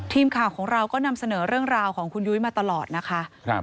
ทีมข่าวของเราก็นำเสนอเรื่องราวของคุณยุ้ยมาตลอดนะคะ